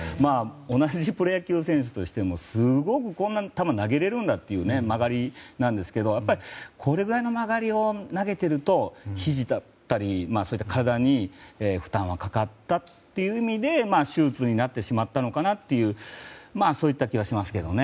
同じプロ野球選手としてもこんな球投げれるんだという曲がりなんですけどこれぐらいの曲がりのボールを投げているとひじだったり体に負担がかかったという意味で手術になってしまったのかなというそういった気がしますね。